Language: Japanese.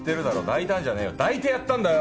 抱いたんじゃねえよ抱いてやったんだよ！